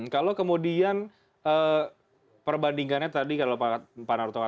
kalau kemudian perbandingannya tadi kalau pak naruto katakan kan ya suara pemilih